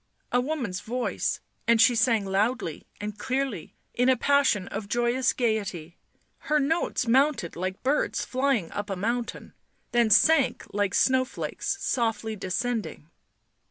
A woman's voice, and she sang loudly and clearly, in a passion of joyous gaiety ; her notes mounted like birds flying up a moun tain, then sank like snowflakes softly descending.